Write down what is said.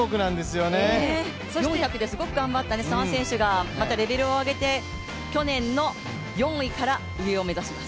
４００ですごく頑張った３選手がまたレベルを上げて去年の４位から上を目指します。